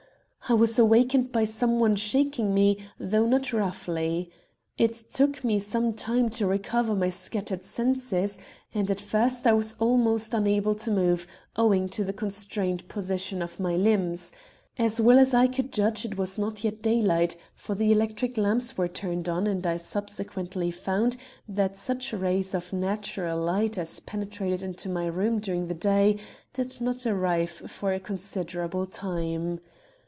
"I was awakened by someone shaking me, though not roughly. It took me some time to recover my scattered senses, and at first I was almost unable to move, owing to the constrained position of my limbs. As well as I could judge it was not yet daylight, for the electric lamps were turned on, and I subsequently found that such rays of natural light as penetrated into my room during the day did not arrive for a considerable time.